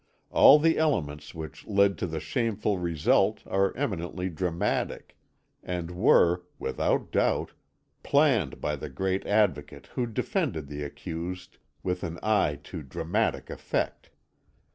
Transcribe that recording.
All the elements which led to the shameful result are eminently dramatic, and were, without doubt, planned by the great Advocate who defended the accused with an eye to dramatic effect.